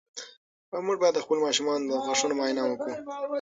موږ باید د خپلو ماشومانو د غاښونو معاینه وکړو.